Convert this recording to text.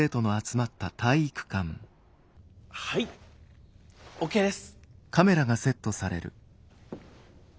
はいＯＫです。